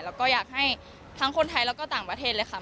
แล้วก็อยากให้ทั้งคนไทยแล้วก็ต่างประเทศเลยค่ะ